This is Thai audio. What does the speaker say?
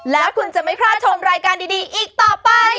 แล้วคุณจะไม่พลาดชมรายการดีอีกต่อไป